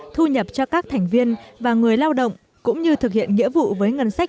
thu nhập cho các thành viên và người lao động cũng như thực hiện nghĩa vụ với ngân sách